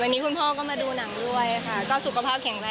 วันนี้คุณพ่อก็มาดูหนังด้วยค่ะก็สุขภาพแข็งแรง